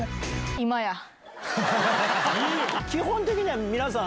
基本的には皆さん。